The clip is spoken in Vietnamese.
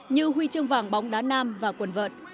như huy chương vàng bóng đá nam và quần vợn